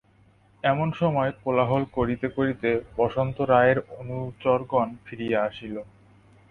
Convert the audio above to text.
এমন সময় কোলাহল করিতে করিতে বসন্ত রায়ের অনুচরগণ ফিরিয়া আসিল।